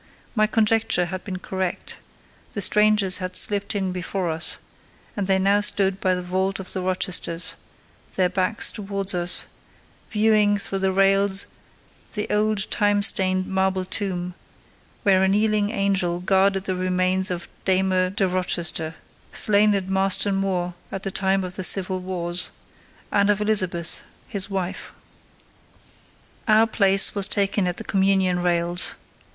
My conjecture had been correct: the strangers had slipped in before us, and they now stood by the vault of the Rochesters, their backs towards us, viewing through the rails the old time stained marble tomb, where a kneeling angel guarded the remains of Damer de Rochester, slain at Marston Moor in the time of the civil wars, and of Elizabeth, his wife. Our place was taken at the communion rails.